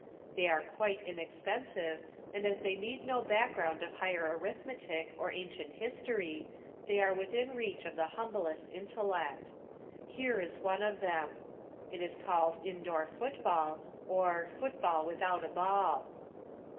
They are quite inexpensive, and as they need no background of higher arithmetic or ancient history, they are within reach of the humblest intellect. Here is one of them. It is called Indoor Football, or Football without a Ball.